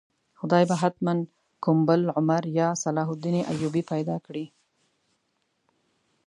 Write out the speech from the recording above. خدای به حتماً کوم بل عمر یا صلاح الدین ایوبي پیدا کړي.